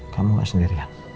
kamu gak sendirian